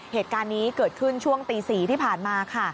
เหตุการณ์นี้เกิดขึ้นช่วงตี๔ที่ผ่านมาค่ะ